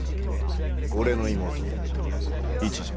俺の妹市じゃ。